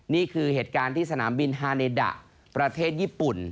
นี่คือเหตุการณ์ที่สนามบินฮาเนดะประเทศญี่ปุ่น